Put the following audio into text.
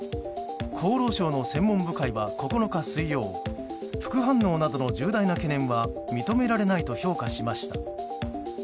厚労省の専門部会は９日水曜副反応などの重大な懸念は認められないと評価しました。